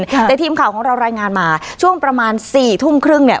แต่ทีมข่าวของเรารายงานมาช่วงประมาณสี่ทุ่มครึ่งเนี่ย